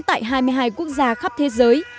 tại hai mươi hai quốc gia khắp thế giới